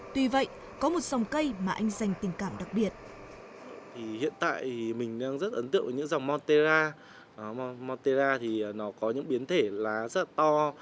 tuy vậy có một dòng cây mà anh dành tình cảm đặc biệt